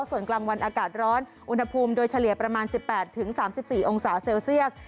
ส่วนกลางวันอากาศร้อนอุณหภูมิโดยเฉลี่ยประมาณ๑๘๓๔องศาเซลเซียส